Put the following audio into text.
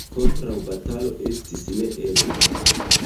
Kontraŭbatalo estis neebla.